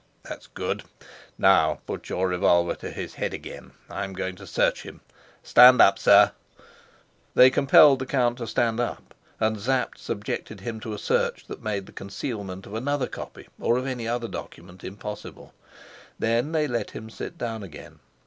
That's good. Now put your revolver to his head again. I'm going to search him. Stand up, sir." They compelled the count to stand up, and Sapt subjected him to a search that made the concealment of another copy, or of any other document, impossible. Then they let him sit down again.